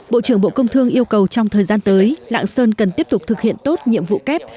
bộ trưởng bộ công thương yêu cầu trong thời gian tới lạng sơn cần tiếp tục thực hiện tốt nhiệm vụ kép